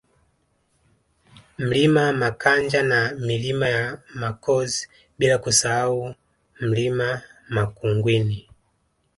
Mlima Makanja na Milima ya Makos bila kusahau Mlima Makungwini